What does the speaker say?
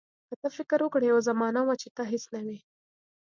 که ته فکر وکړې یوه زمانه وه چې ته هیڅ نه وې.